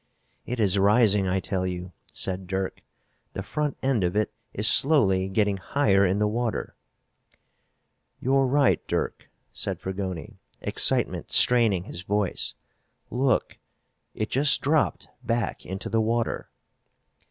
"It is rising, I tell you!" said Dirk. "The front end of it is slowly getting higher in the water!" "You're right, Dirk," said Fragoni, excitement straining his voice. "Look! It just dropped back into the water!"